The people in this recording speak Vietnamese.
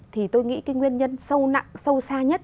thì tôi nghĩ cái nguyên nhân sâu nặng sâu xa nhất